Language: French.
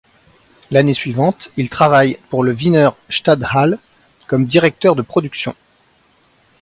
L'année suivante, il travaille pour le Wiener Stadthalle comme directeur de production.